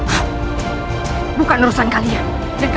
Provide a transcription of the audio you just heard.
aku tahu dari cincin yang kau kenakan